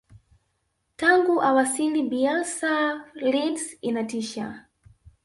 tangu awasili bielsa leeds inatisha